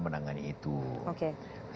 menangani itu oke